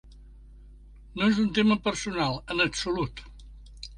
No és un tema personal, en absolut.